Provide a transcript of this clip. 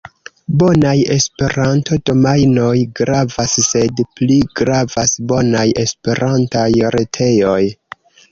Bonaj Esperanto-domajnoj gravas, sed pli gravas bonaj Esperantaj retejoj.